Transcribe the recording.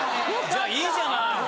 じゃあいいじゃない。